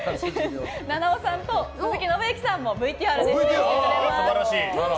菜々緒さんと鈴木伸之さんもＶＴＲで出てくれます。